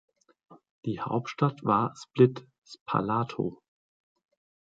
Die Hauptstadt war Split (Spalato).